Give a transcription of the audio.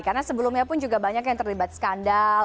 karena sebelumnya pun juga banyak yang terlibat skandal